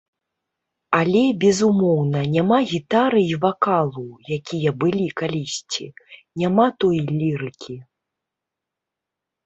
Але, безумоўна, няма гітары і вакалу, якія былі калісьці, няма той лірыкі.